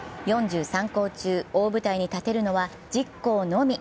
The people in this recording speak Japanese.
４３校中、大舞台に立てるのは１０校のみ。